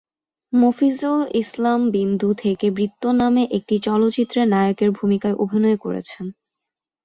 মফিজুল ইসলাম বিন্দু থেকে বৃত্ত নামে একটি চলচ্চিত্রে নায়কের ভূমিকায় অভিনয় করেছেন।